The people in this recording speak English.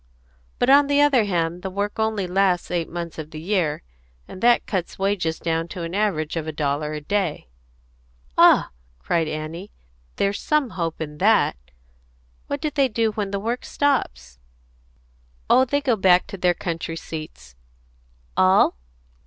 "But, on the other hand, the work only lasts eight months of the year, and that cuts wages down to an average of a dollar a day." "Ah!" cried Annie. "There's some hope in that! What do they do when the work stops?" "Oh, they go back to their country seats." "All?"